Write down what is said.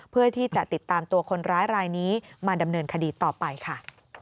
เพื่อที่จะติดตามตัวคนร้ายรายนี้มาดำเนินคดีต่อไปค่ะ